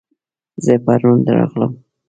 زه پرون درغلم